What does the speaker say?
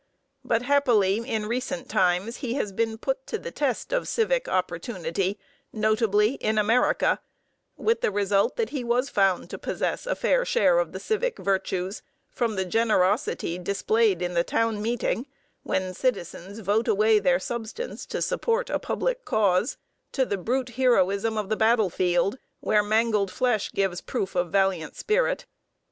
But happily in recent times he has been put to the test of civic opportunity, notably in America; with the result that he was found to possess a fair share of the civic virtues, from the generosity displayed in the town meeting, when citizens vote away their substance to support a public cause, to the brute heroism of the battle field, where mangled flesh gives proof of valiant spirit.